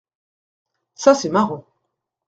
Ça c’est marrant.